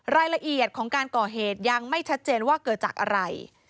รายละเอียดของการก่อเหตุยังไม่ชัดเจนว่าเกิดจากอะไร